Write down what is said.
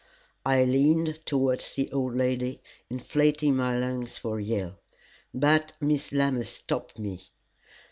I leaned towards the old lady, inflating my lungs for a yell. But Miss Lammas stopped me.